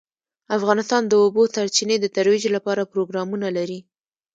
افغانستان د د اوبو سرچینې د ترویج لپاره پروګرامونه لري.